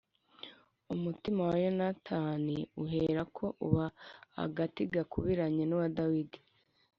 umutima wa Yonatani uherako uba agati gakubiranye n’uwa Dawidi